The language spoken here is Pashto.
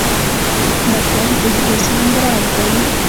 • بښل د ښه ژوند راز دی.